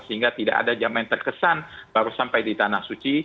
sehingga tidak ada jamaah yang terkesan baru sampai di tanah suci